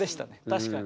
確かに。